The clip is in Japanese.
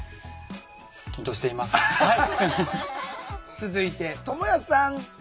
続いてともやさん。